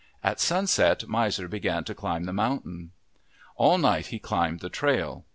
At sunset Miser began to climb the mountain. All night he climbed the trail.